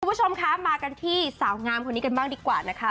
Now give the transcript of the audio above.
คุณผู้ชมคะมากันที่สาวงามคนนี้กันบ้างดีกว่านะคะ